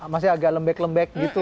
masih agak lembek lembek gitu